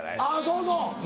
そうそう。